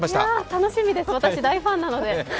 楽しみです、私大ファンなので。